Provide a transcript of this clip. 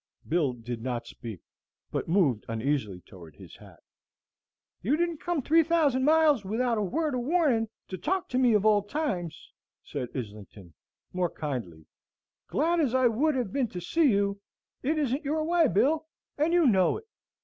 Bill did not speak, but moved uneasily toward his hat. "You didn't come three thousand miles, without a word of warning, to talk to me of old times," said Islington, more kindly, "glad as I would have been to see you. It isn't your way, Bill, and you know it.